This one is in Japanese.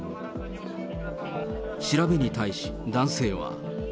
調べに対し、男性は。